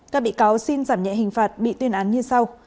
các bị cáo xin giảm nhẹ hình phạt bị tuyên án như sau